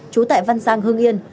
chú tại văn giang hương yên